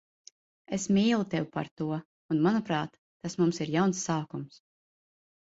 Es mīlu tevi par to un, manuprāt, tas mums ir jauns sākums.